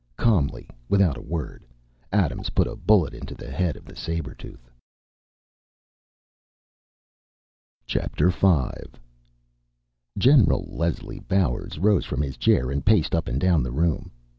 Calmly, without a word, Adams put a bullet into the head of the saber tooth. V General Leslie Bowers rose from his chair and paced up and down the room.